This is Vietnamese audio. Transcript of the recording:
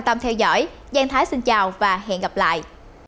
các bạn hãy xin chào và hẹn gặp lại